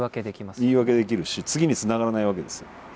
言い訳できるし次につながらないわけですよ。